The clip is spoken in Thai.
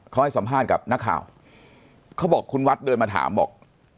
เขาให้สัมภาษณ์กับนักข่าวเขาบอกคุณวัดเดินมาถามบอก